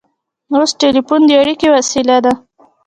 اوس ټیلیفون د اړیکې وسیله ده.